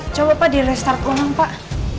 coba pak di restart ulang pak